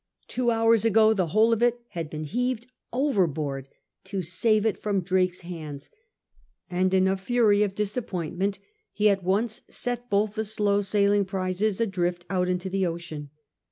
Two hours ago the whole of it had been heaved overboard to save it from Drake's hands, and in a fury of disappointment he at once set both the slow sailing prizes adrift out into the ocean.